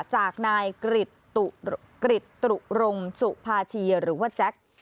จากนายกริจตุรงสุภาชีหรือว่าแจ็ค